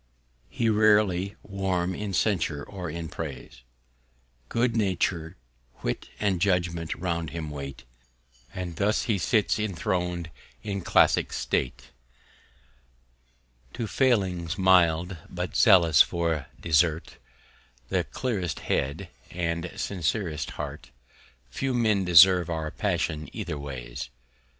He's rarely warm in Censure or in Praise: Good Nature, Wit, and Judgment round him wait; And thus he sits inthron'd in Classick State: To Failings mild, but zealous for Desert; The clearest Head, and the sincerest Heart. Few Men deserve our Passion either Ways.